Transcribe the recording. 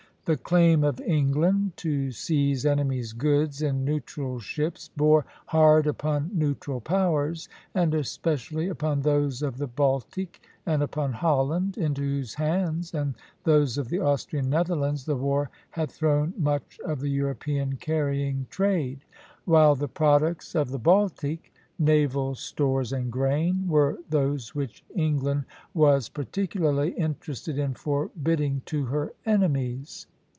The claim of England to seize enemy's goods in neutral ships bore hard upon neutral powers, and especially upon those of the Baltic and upon Holland, into whose hands, and those of the Austrian Netherlands, the war had thrown much of the European carrying trade; while the products of the Baltic, naval stores and grain, were those which England was particularly interested in forbidding to her enemies.